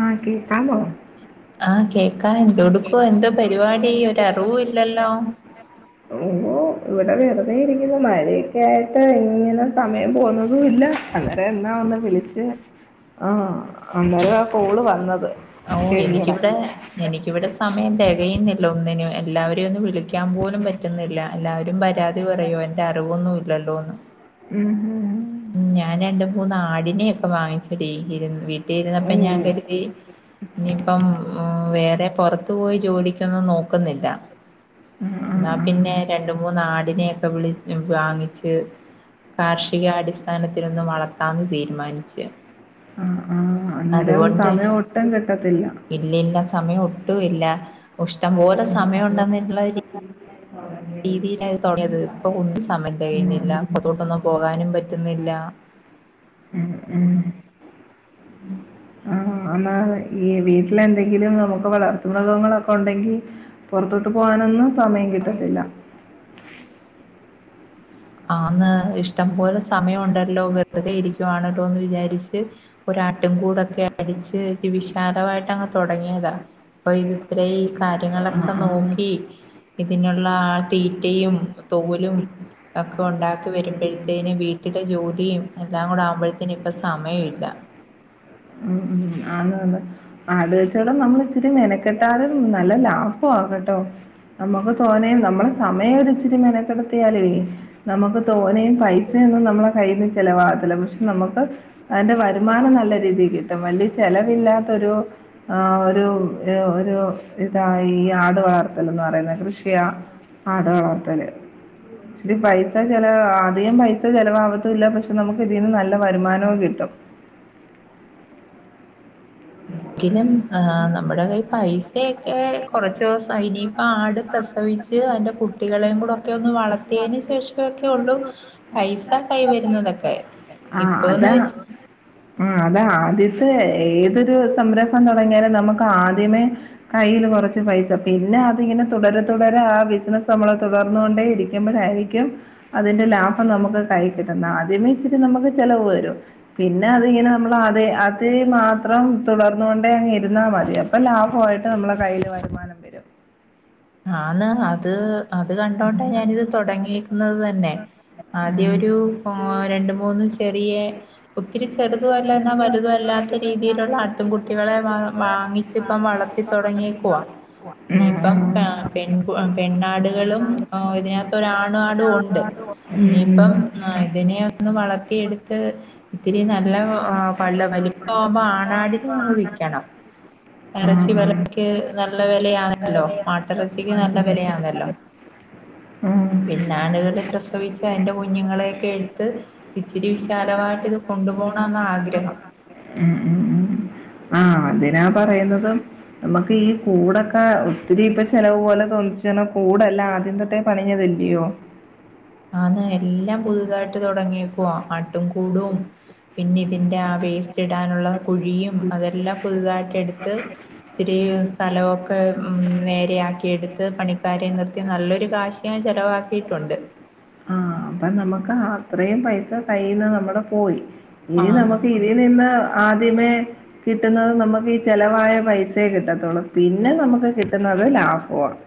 ആ കേക്കാമോ ആഹ് കേക്കാ എന്തൊടുക്കുവാ എന്തോ പരിപാടി ഒരറിവുമില്ലല്ലോ ഓ ഇവിടെ വെറുതെ ഇരിക്കുന്നു മഴേ ക്കായിട്ട് [unintelligible] ഇങ്ങനെ സമയം പോന്നതും ഇല്ല അന്നേരം എന്നാ വന്ന വിളിച്ചേ ആ ഓ ചേച്ചിയുടെ എനിക്കിവിടെ എനിക്കിവിടെ സമയം തെകയുന്നില്ല ഒന്നിനു എല്ലാവ യൊന്നു വിളിക്കാൻ പോലും പറ്റുന്നില്ല എല്ലാവരും പരാതി പറയുവ എന്റെ അറിവൊന്നും ഇല്ലല്ലോന്ന്. ഉം ഉം മ്മ് ഞാൻ രണ്ട് മു മൂന്നാടിനെയൊക്കെ വാങ്ങിച്ചേടീ ഇര് വി ട്ടീ ഉം [unintelligible] ഞാൻ ഉം കരുതി ഇപ്പം വേറെ പൊറത്ത് പോയി ജോലിക്കൊന്നും നോക്കുന്നില്ല ഉം ന്നാ ഉം പിന്നെ രണ്ട് മൂന്നാടിനെയൊക്കെ വിളി വാങ്ങിച്ച് കാർഷികാടിസ്ഥാനത്തിലൊന്ന് വളർത്താന്ന് തീരുമാനിച്ച് ആഹ് ആഹ് അന്നേരം അതുകൊണ്ട് സമയം ഒട്ടും കിട്ടത്തില്ല ഇല്ലില്ല സമയം ഒട്ടും ഇല്ല ഇഷ്ടം പോലെ സമയം ഉണ്ടെന്നുള്ള രീതിയിലായി [unintelligible] ഇപ്പൊ ഒന്നും സമയം ഉം തെകയ്ന്നില്ല ഉം പ്പൊത്തോട്ടൊന്നും പോകാനും പറ്റുന്നില്ല മ് ആ എന്നാ ഈ വീട്ടില് എന്തെങ്കിലും നമുക്ക് വളർ മൃഗങ്ങളൊക്കെണ്ടെങ്കി പൊറത്തോട്ട് പോകാനൊന്നും സമയം കിട്ടത്തില്ല ആന്ന് ഇഷ്ടം പോലെ സ സമയം ഉണ്ടല്ലോ വെറ്തെ [unintelligible] [unintelligible] വിചാരിച്ച് ഒര കൂടൊക്കെ അടിച്ച് [unintelligible] തോടങ്ങിയതാ പ്പൊ ഇത്രേം കാര്യങ്ങളൊക്കെ ആഹ് ആഹ് നോക്കി ഇതിനുള്ള ആ തീറ്റയും തോലും ഒക്കെ ഉണ്ടാക്കി വരുമ്പോഴത്തേന് വീട്ടിലെ ജോലിയും എല്ലാം കൂടെ ആവുമ്പോഴത്തേന് ഇപ്പൊ സമയമില്ല മ് മ് ആ [unintelligible] എടാ നമ്മള് ഇച്ചിരി മെനക്കെട്ടാലും നല്ല ലാഭാ കെട്ടോ നമുക്ക് തോനെയും നമ്മളെ സമയം ഒരു ഇച്ചിരി മെനക്കെടുത്തിയാലും നമുക്ക് തോനെയും പൈസൊന്നും നമ്മളെ കയ്യിന്ന് ചെലവാകത്തില്ല പക്ഷെ നമ്മക്ക് അതിന്റെ വരുമാനം നല്ല രീതിൽ കിട്ടും വലിയ ചെലവില്ലാത്തൊരു ഒരു ഒരു ഇതാ ഈ ആട് വളർത്തല് എന്ന് പറയുന്നത് കൃ [unintelligible] ത്തല് ച്ചിരി പൈസ ചെലവാ അധികം പൈസ ചെലവാവത്തൂല പഷ് നമുക്ക് ഇതീന്ന് നല വരുമാനവും കിട്ടും എങ്കലും ആ നമ്മടെ കൈയ് പൈസയൊക്കെ കോർച്ച് സ അയ്നീപ്പ ആട് പ്രസവിച്ച് അതിന്റെ കുട്ടികളെയും കൂടെ ഒക്കെ ഒന്ന് വളർത്തിയതിന് ശേഷമൊക്കെ ഒള്ളു പൈസ കൈ വരുന്നതൊക്കെ ഇപ്പോ ന്ന് വെച്ചാ ആ അത് ആദ്യത്തെ ഏതൊരു സംരംഭം തോടങ്ങിയാലും നമുക്ക് ആ ദ്യമേ കയ്യില് കൊറച്ച് പൈസ പിന്നെ അതിങ്ങനെ തുടരെ തുടരെ ആ ബിസിനസ് നമ്മള് തുടർന്നു കൊണ്ടേ ഇരിക്കുമ്പോഴായിരിക്കും അതിന്റെ ലാഭം നമുക്ക് കൈ കിട്ടുന്നെ ആദ്യമേ ഇച്ചിരി നമുക്ക് ചെലവ് വരും പിന്നെ അതിങ്ങനെ നമ്മള് അതെ അ തിൽ മാത്രം തുടർന്നുകൊണ്ടേങ്ങി രുന്നാ മതി അപ്പൊ ലാഭമായിട്ട് നമ്മുടെ കയ്യില് വരുമാനം വരും ആന്ന് അത് അത് കണ്ടോണ്ട ഞാനിത് തുടങ്ങിയേക്കുന്നത് തന്നെ ആദ്യ ഉം ഒരു രണ്ടുമൂന്ന് ചെറിയ ഒത്തിരി ചെറുതുവ ആട്ടിൻകുട്ടികളെ വാ വാങ്ങിച്ച് ഇപ്പം വളർത്തി തൊടങ്ങിയേക്കുവാ. [unintelligible] ഉം ഉം പെൺകു പെണ്ണാടുകളും ഇതിനകത്ത് ഒരാണാടും ഒണ്ട് ഉം ഉം ഇനിയിപ്പം ഉം ഇതിനെ ഒന്ന് വളർത്തിയെടുത്ത് ഇത്തിരി നല്ല ആ പല വലിപ്പാവുമ്പേ ആണാടിനെ അങ്ങ് വിക്കണം ഉം എറച്ചി വെലക്ക് നല്ല വെലയാണല്ലോ മാട്ടിറച്ചി നല്ല വിലയാണല്ലോ പിന്നെ ആടുകള് പ്രസവിച്ച അതിന്റെ കുഞ്ഞുങ്ങളെയൊക്കെ എടുത്ത് ഇച്ചിരി വിശാലായിട്ട് ഇത് കൊണ്ടുപോണോന്നാ [unintelligible] ഉം ഉം ഉം ആ അതിനാ പറയുന്നതും നമുക്ക് [unintelligible] ഈ കൂടൊക്കെ ഒത്തിരി ഇപ്പൊ ചെലവ് പോലെ തോന്നിച്ചു കാരണം കൂടല്ല ആദ്യം തൊട്ടേ പണിഞ്ഞതല്ലയോ ആന്ന് എല്ലാം പുതുതായിട്ട് തുടങ്ങിയേക്കുവ ആട്ടും കൂടും പിന്നെ ഇതിന്റെ ആ വേസ്റ്റ് ഇടാനുള്ള കുഴിയും അതെല്ലാം പുതുതായിട്ട് എടുത്ത് ഇത്തിരി സ്ഥലമൊക്കെ ഉംനേരെ ആക്കി എടുത്ത് പണിക്കാരെ നിർത്തി നല്ലൊരു കാശ് ഞാൻ ചെലവാക്കിയിട്ടുണ്ട് ക്ക് അത്രയും പൈസ കയ്യീന്ന് നമ്മടെ പോയി ആ ഇനി [unintelligible] നമുക്ക് ഇതിൽ നിന്ന് ആദ്യമേ കിട്ടുന്നത് നമുക്ക് ഈ ചെലവായ പൈസയെ കിട്ടത്തുള്ളൂ പിന്നെ നമുക്ക് കിട്ടുന്നത് ലാഭമാണ്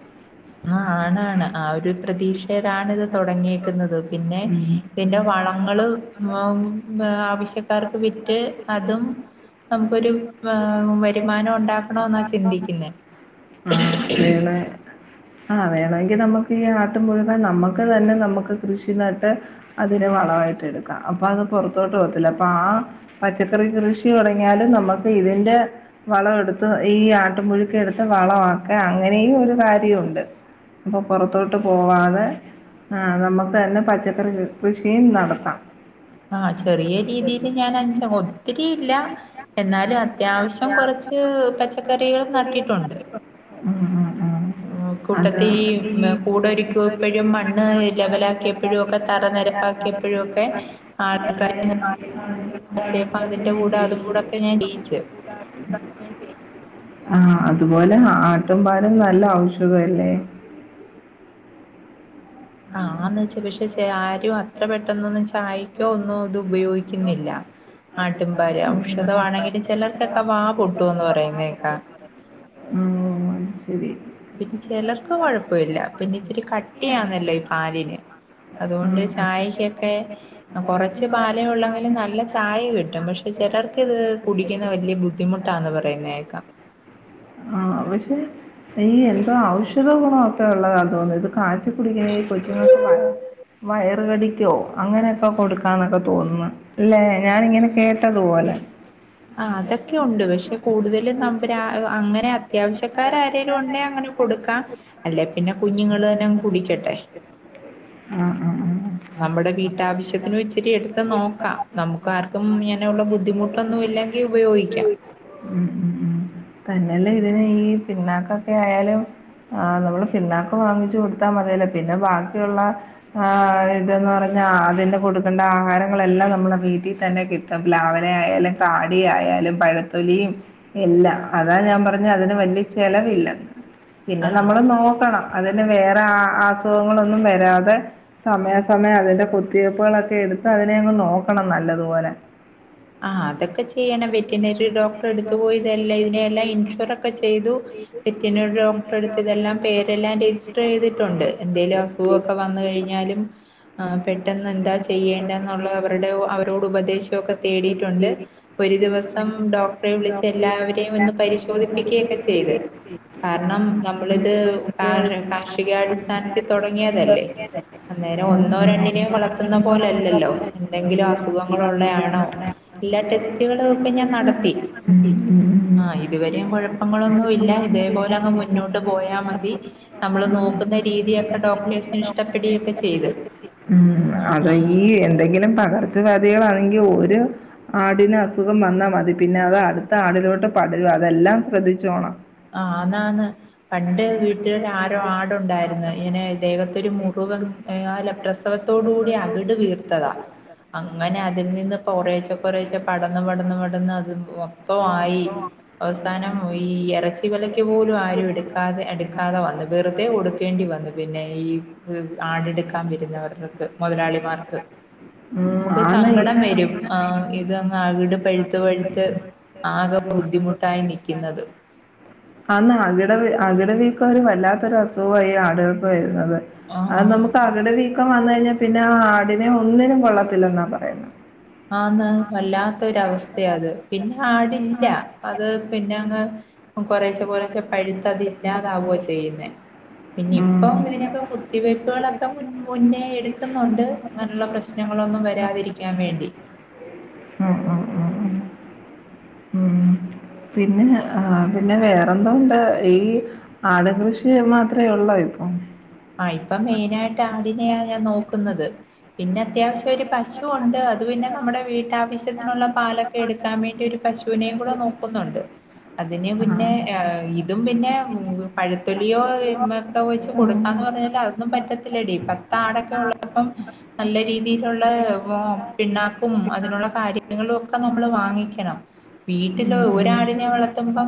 ആ ആണ് ആണ് ആ ഒരു പ്രതീക്ഷയിലാണ് ഇത് തുടങ്ങിയേക്കുന്നത് പിന്നെ ഉം ഇതിന്റെ വളങ്ങള് വ വേ ആവശ്യക്കാർക്ക് വിറ്റ് അതും നമുക്കൊരു ഏ വരുമാനം ഉണ്ടാക്കണെന്നാ ചിന്തിക്കുന്നെ ആ വേണ ആ വേണമെങ്കി നമുക്ക് ഈ അ ട്ട് മുഴുവൻ നമ്മൾ ക്ക് തന്നെ നമ്മക്ക് കൃഷി ഷി നട്ട് അതിന് വളമായിട്ട് എടുക്കാം അപ്പൊ അത് പൊറ പോത്തില്ല അപ്പൊ ആ പച്ചക്കറി കൃഷി തുടങ്ങിയാലും നമുക്ക് ഇതിന്റെ വളം എടുത്ത് ഈ ആട്ടുംപുഴുക്കെടുത്ത് വളമാക്കെ അങ്ങനെയും ഒരു കാര്യംണ്ട് അപ്പൊ പുറത്തോട്ട് പോവാതെ ആ നമുക്ക് തന്നെ പച്ചക്കറി കൃ കൃഷിയും നടത്താം ആ ചെറിയ രീതീല് ഞാൻ അഞ് ഒത്തിരി ഇല്ല എന്നാലും അത്യാവശ്യം കൊറച്ച് പച്ചക്കറികൾ നട്ടിട്ടുണ്ട് ഉം ഉം ഉം അതാ കൂട്ടത്തി ഈ കൂടൊരുക്കുമപ്പോഴും മണ്ണ് ലെവലാക്കിയപ്പോഴും ഒക്കെ തറ നിര ബാക്കിയെപ്പോഴുംക്കെ ആ [unintelligible] ഉ [inaudible] അതിന്റെ കൂടെ അതും കൂടൊക്കെ ഞാൻ ചെയ്യിച്ച്. ആ അതുപോലെ ആട്ടും പാൽ അഹ് നല്ല ഔഷധ അല്ലേ ആന്ന് വെച്ച പക്ഷെ ആരും അത്ര പെട്ടെന്നൊന്നും ചായക്കോ ഒന്നും ഇത് ഉപയോഗിക്കുന്നില്ല ആട്ടിൻ പാല് ഔഷധമാണെങ്കിലും ചിലർക്കൊക്കെ വാ പൊട്ടുന്ന് പറയുന്നേക്കാ ഉം അത് ശരി പിന്നെ ചിലർക്ക് കൊഴപ്പല്ല പിന്നെ ഇച്ചിരി കട്ടിയന്നല്ലോ പാലിന് അതുകൊണ്ട് ഉം ചായക്കൊക്കെ കുറച്ച പാലേ ഉള്ളെങ്കിലും നല്ല ചായ കിട്ടും പക്ഷെ ചിലർക്ക് ഇത് കുടിക്കുന്ന വലിയ ബുദ്ധിമുട്ടാന്ന് പറയുന്നേക്കാം ആ പക്ഷെ ഈ എന്തോ ഔഷധ ഗുണോ ഒക്കെ ഉള്ളതാ തോന്നു ഇത് കാച് കുടിക്കണേ വയറ് കടിക്കോ അങ്ങനെയൊക്കെ കൊടുക്കാന്നൊക്കെ തോന്നുന്നു അല്ലെ ഞാനിങ്ങനെ കേട്ടതു പോലെ ആഹ് അതൊക്കെ ഉണ്ട് പക്ഷെ കൂടുതലും തേലു ഉണ്ടെ അങ്ങനെ കൊടുക്കാം അല്ലെ പിന്നെ കുഞ്ഞുങ്ങൾ തന്നെങ് കുടിക്കട്ടെ ആ ആ നമ്മുടെ ഉ വീട്ടാവശ്യത്തിനും ഇച്ചിരി എടുത്ത് നോക്കാം നമുക്ക് ആർക്കും ഇങ്ങനെയുള്ള ബുദ്ധിമുട്ടൊന്നും ഇല്ലെങ്കിൽ ഉ ഉ ഉപയോഗിക്കാം ഉ ത അല്ല ഇതിന് ഈ പിണ്ണാക്കൊക് ക്കെ ആയാലും ആ നമ്മള് പിണ്ണാക്കും വാങ്ങിച്ചു കൊടുത്താൽ മതീലെ പിന്നെ ബാക്കിയുള്ള ആ ഇതന്ന് പറഞ്ഞ ആതിന്ന് കൊടുക് വെണ്ണ ആഹാരങ്ങളെല്ലാം നമ്മുടെ വീട്ടിൽ തന്നെ കി പ്പം പ്ലാവെല ആയാലും കാടി ആയാലും പഴത്തൊലിയും എല്ലാം അതാ ഞാൻ പറഞ്ഞ അതിന് വലിയ ചെലവില്ലെന്ന് പിന്നെ നമ്മള് നോക്കണം അതിന് വേറെ ആ ആ സുഖങ്ങളൊന്നും വരാതെ സമയസമയം അതിന്റെ കുത്തിവയ്പുകളൊക്കെ എടുത്ത് അതിനെ അങ്ങ് നോക്കണം നല്ലതുപോലെ ആ അതൊക്കെ ചെയ്യണം വെറ്റിനറി ഡോക്ടർ എടുത് പോയി തെല്ലാ ഇതിനെല്ലാം ഇൻസൂറ് ഒക്കെ ചെയ്തു വെറ്റിനറി ഡോക്ടർ എടുത്ത് ഇതെല്ലാം പേരെല്ലാം രജിസ്റ്റർ ചെയ്തിട്ടുണ്ട് എന്തേ എല് സുഖൊക്കെ വന്ന് കഴിഞ്ഞാലും അ പെട്ടെന്ന് എന്താ ചെയ്യേണ്ട ന്നുള്ള അവരുടെ ഉ അവരോട് ഉപദേശി ഡോക്ടറെ വിളിച്ച് എല്ലാവരെയും ഒന്ന് പരിശോധിപ്പിക്കുകയൊക്കെ ചെയ്ത് കാരണം നമ്മളിത് [inaudible] തല്ലേ അന്നേരം ഒന്നോ രണ്ടിനെയോ വളർത്തുന്ന പോലല്ലല്ലോ എന്തെങ്കിലും അസുഖങ്ങളുള്ളെ ആ എണോ എല്ലാ ടെസ്റ്റുകൾ ഒക്കെ ഞാൻനടത്തി ആ ഉം. ഇതുവരെ കുഴപ്പങ്ങളൊന്നുമില്ല ഇതേപോലെങ് മുന്നോട്ടുപോയാ മതി നമ്മൾ നോക്കുന്ന രീതി ഒക്കെ ഡോ ഉം അത ഈ എന്തെങ്കിലും പകർച്ച വ്യധികള എങ്കി ഓര് ആടിന്ന് അസുഖം വന്നാ മതി പിന്നെ അത് അടുത്ത ആടിലോട്ട് പടരുക അതെല്ലാം ശ്രദ്ധിച്ചുോണം ആഹ് ആന്നാന്ന്. പണ്ട് ദ്ദേഹത്തൊരു മുറിവ് എ ആ ലെ പ്രസവത്തോട് കൂടി അകട് വീർത്തതാ അങ്ങനെ അതിൽ നിന്ന് കൊറേച്ച ച്ച പടന്ന് പടന്ന് പടന്ന് അത് മൊതോ ആയി അവസാനം ഈ ഇറച്ചി വിലക്ക് പോലും ആരും എടുക്കാതെ എടുക്കാതെ വന്ന വെറുതെ കൊടുക്കേണ്ടി വന്നു പിന്നെ ഐ ആടെടുക്കാൻ വരുന്നവർക്ക് മുതലാളിമാർക്ക് നമുക്ക് സങ്കടം വരും ആ ആകെ ബുദ്ധിമുട്ടായി നിക്കുന്നത്. ആന്നാ അകിട അകിടവീക്കം വല്ലാത്തൊരു അസുഖമായി ആട് വരുന്നത് അ ആഹ് നമുക്ക് അകിട് വീക്കം വന്ന കഴിഞ്ഞാൽ പിന്നെ ആടിനെ ഒന്നിനും കൊള്ളത്തില്ലെന്നാ പറയുന്നു വല്ലാത്തൊരവസ്ഥയാത് പിന്നെ ആടില്ല അത് പിന്നങ്ങ് കൊറേച്ച കുറെച്ചേ പഴുത്ത് അതില്ലാതാവുവ ചെയ്യുന്നേ പിന്ന ഉം, ഇപ്പൊ ഇതിനൊക്കെ കുത്തിവയ്പ്പുകളൊക്കെ മുൻ മുന്നേ എടുക്കുന്നുണ്ട് അങ്ങനുള്ള പ്രശ്നങ്ങളൊന്നും വരാതിരിക്കാൻ വേണ്ടി ഉ ഉ ഉ ഉ ഉ പിന്നെ ആ പിന്നെ വേറെ വേറെന്തോഉണ്ട് ഈ ആട് കൃഷി മാത്രെ ഉള്ളോ ആ ഇപ്പൊ മെയിനായിട്ട് ആടിനെയാ ഞാൻ നോക്കുന്നത്. പിന്നെ അത്യാവശ്യം ഒരു പശുവൊണ്ട്. അത് പിന്നെ നമ്മുടെ വീട്ടാവശ്യത്തിനുള്ള പാലൊക്കെ എടുക്കാൻ വേണ്ടി ഒരു പശൂനേും കൂടെ നോക്കുന്നുണ്ട്. അതിനെ പിന്നെ ആ ഇതും പിന്നെ പഴത്തൊലിയോ [unintelligible] കൊടുക്കാന്ന് പറഞ്ഞാൽ അതൊന്നും പറ്റത്തില്ലടി പത്ത് ആടൊക്കെ ഉള്ളപ്പം നല്ല രീതിയിലുള്ള പിണ്ണാക്കും അതിനുള്ള കാര്യങ്ങളും ഒക്കെ നമ്മൾ വാങ്ങിക്കണം വീട്ടിലോ ഒരാടിനെ വളർത്തുമ്പം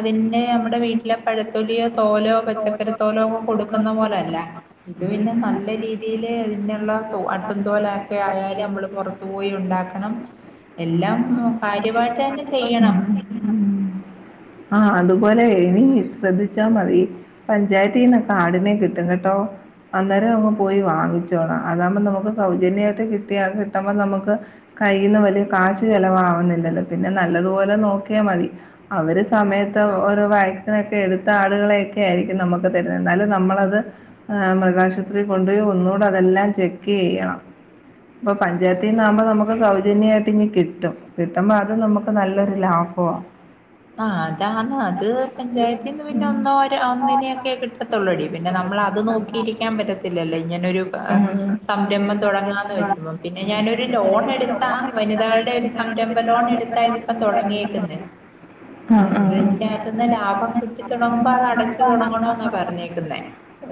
അതിന്റെ പിന്നെ അമ്മടെ വീട്ടിലെ പഴത്തൊലിയോ തോലോ പച്ചക്കറി തോലോ ഒക്കെ കൊടുക്കുന്ന പോലല്ല ഇത് പിന്നെ നല്ല രീതിൽ ഇതിനുള്ള അട്ടുംതോല ഒക്കെ ആയല് നമ്മള് പുറത്തു പോയി ഉണ്ടാക്കണം എല്ലാം കാര്യമായിട്ട് തന്നെ ചെയ്യണം ഉം. ആ അതുപോലെ ഇനി ശ്രദ്ധിച്ചാൽ മതി പഞ്ചായത്തിന്നു ഓക്കെ ആടിനെ കിട്ടും കേട്ടോ അന്നേരം അങ്ങ് പോയി വാങ്ങിച്ചോണം അതാകുമ്പോൾ നമുക്ക് സൗജന്യമായിട്ട് കിട്ടിയ കിട്ടുമ്പോൾ നമുക്ക് കൈന്ന് വലിയ കാശ് ചെലവാവുന്നില്ലല്ലോ പിന്നെ നല്ലതുപോലെ നോക്കിയാ മതി അവര് സമയത്ത് ഓരോ വാക്സിന ഒക്കെ എടുത്ത ആളുകളെയൊക്കെ ആയിരിക്കും നമക്ക് അതെ [unintelligible] എന്നാലും നമ്മളത് മൃഗാശുപത്രി കൊണ്ടുപോയി ഒന്നൂടെ അതെല്ലാം ചെക്ക് ചെയ്യണം. പ്പ പഞ്ചായത്തീന്നാമ്പോ നമുക്ക് സൗജന്യമായിട്ട് ഇനി കിട്ടും. കിട്ടുമ്പോ അത് നമുക്ക് നല്ലൊരു ലാഭവ ആഹ് അതാണ് അത് പഞ്ചായത്തിന്ന് തൊള്ളൂടി പിന്നെ നമ്മള അത് നോക്കിയിരിക്കാൻ പറ്റത്തില്ലല്ലോ ഇഞനൊരു ആ ആ സംരംഭം തുടങ്ങാന്ന് വെച്ച പിന്നെ ഞാനൊരു ലോൺ എടുത്താ വനിതകളുടെ ഒരു സംരംഭം ലോൺ എടുത്താ ഇതിപ്പം തുടങ്ങിയക്കുന്നത് ആ ആ ഇതിന്റെ അകത്തന്ന് ലാഭം കിട്ടി തുടങ്ങുമ്പോ അത് അടച്ചു ആ തുടങ്ങനോന്നാ പറഞ്ഞ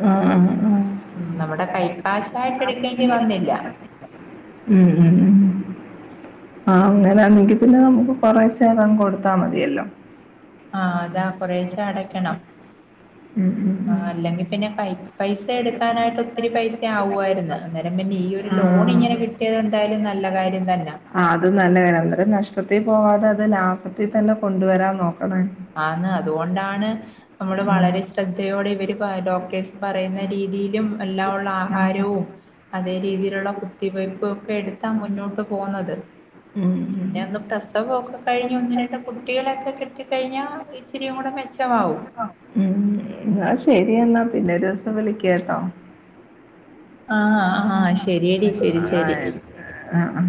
ആ ഉ ഉം നമ്മുടെ കൈക്കാശായിട്ട് എടുക്കേണ്ടി വന്നില്ല ഉ ഉ ആഹ് അങ്ങനെണങ്കി പിന്നെ നമുക്ക് കൊറേച്ചേ അതങ്ങ് കൊടുത്താ മതിയല്ലോ ആഹ് അതാ കൊറേശ അടക്കണം ഉം ഉം ഉം. ആ അല്ലെങ്കിൽ പിന്നെ കൈ പൈസ എടുക്കാനായിട്ട് ഒത്തിരി പൈസ ആവുായിരുന്നു അന്നേരം പിന്നെ ഈ ഒരു ലോൺ ഇങ്ങനെ കിട്ടിയത് എന്തായാലും നല്ല കാര്യം തന്നാ ആ അത് നല്ല കാര്യം അന്നേരം നഷ്ടത്തിൽ പോവാതെ അത് ലാഭത്തിൽ തന്നെ കൊണ്ടുവരാൻ നോക്കാം ആന്ന് അതുകൊണ്ടാണ് നമ്മള് വളരെ ശ്രദ്ധയോടെ ഇവര് ഡോക്ടേഴ്സ് പറയുന്ന രീതിയിലും എല്ലാം ഉള്ള ആഹാരവും അതേ രീതിയിലുള്ള കുത്തിവയ്പും ഒക്കെ എടുത്താ മുന്നോട്ട് പോന്നത്. ഉം ഉം പിന്നെ ഒന്ന് പ്രസവമൊക്കെ കഴിഞ്ഞഞ് ഒന്ന് രണ്ടാ കുട്ടികളൊക്കെ കിട്ടി കഴിഞ്ഞാ ഇത്തിരിയും കൂടെ മെച്ചമാവും. എന്ന ശരിയെന്നാ പിന്നെ [unintelligible] വിളിക്ക ട്ടോ ആഹ് ആഹ് ശരിടി ശരി ശരി ആ ആ.